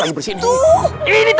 agakupa anjing di dignity